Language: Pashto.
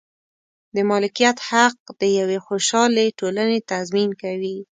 د مالکیت حق د یوې خوشحالې ټولنې تضمین کوي.